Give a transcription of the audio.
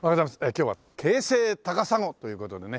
今日は京成高砂という事でね